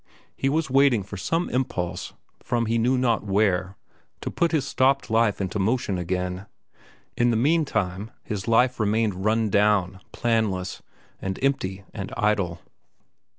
He was waiting for some impulse, from he knew not where, to put his stopped life into motion again. In the meantime his life remained run down, planless, and empty and idle.